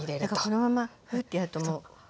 このままフッてやるともう。